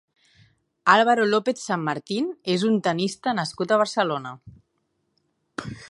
Álvaro López San Martín és un tennista nascut a Barcelona.